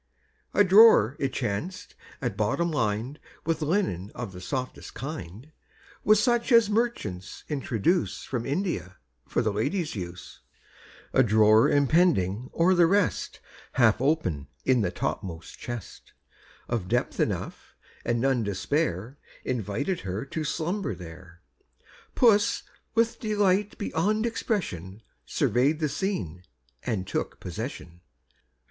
A drawer, it chanced, at bottom lined With linen of the softest kind, With such as merchants introduce From India, for the ladies' use, A drawer impending o'er the rest, Half open in the topmost chest, Of depth enough, and none to spare, Invited her to slumber there; Puss with delight beyond expression, Survey'd the scene, and took possession.